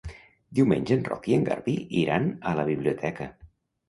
Diumenge en Roc i en Garbí iran a la biblioteca.